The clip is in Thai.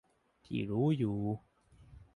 ที่รู้อยู่